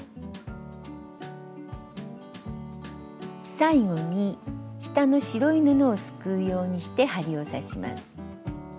最後に下の白い布をすくうようにして針を刺します。